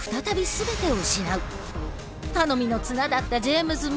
頼みの綱だったジェームズも。